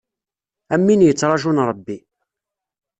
Am win yettraǧun Ṛebbi.